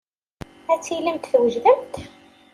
Ad tilimt twejdemt?